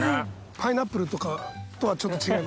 パイナップルとかとはちょっと違います。